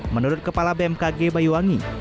menurut kepala bmkg bayuwangi